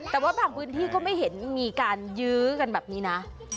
แต่ว่าบางพื้นที่ก็ไม่เห็นมีการยื้อกันแบบนี้นะ